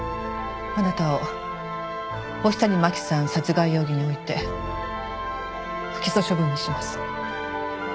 あなたを星谷真輝さん殺害容疑において不起訴処分にします。